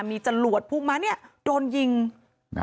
มีจรวดพูดมาโดนยิง